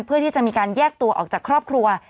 เพื่อที่จะมีการแยกตัวออกจากครอบครัว